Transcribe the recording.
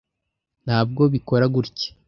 Ntabwo bikora gutya.